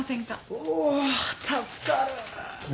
お助かる。